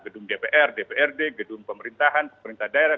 gedung dpr dprd gedung pemerintahan pemerintah daerah